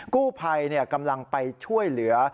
กู้ภัยกำลังไปช่วยเหลือ